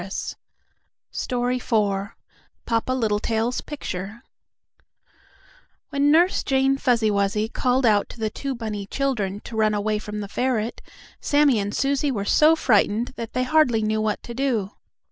IV PAPA LITTLETAIL'S PICTURE When Nurse Jane Fuzzy Wuzzy called out to the two bunny children to run away from the ferret, Sammie and Susie were so frightened that they hardly knew what to.